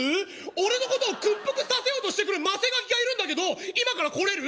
俺のことを屈服させようとしてくるませガキがいるんだけど今から来れる？